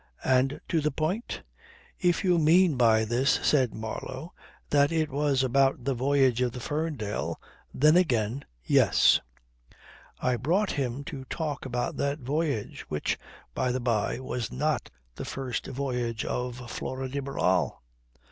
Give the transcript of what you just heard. "And to the point?" "If you mean by this," said Marlow, "that it was about the voyage of the Ferndale, then again, yes. I brought him to talk about that voyage, which, by the by, was not the first voyage of Flora de Barral.